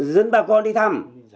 dân bà con đi thăm